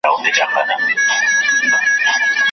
د لمر د سپینو وړانګو غلیمان به بدل نه سي